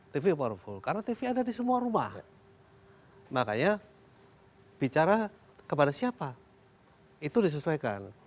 tv powerful karena tv ada di semua rumah makanya bicara kepada siapa itu disesuaikan